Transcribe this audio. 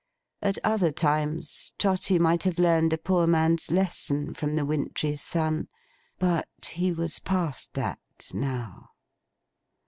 At other times, Trotty might have learned a poor man's lesson from the wintry sun; but, he was past that, now.